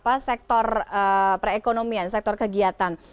apa sektor perekonomian sektor kegiatan